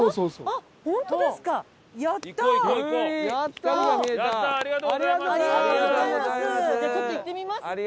やったーありがとうございます。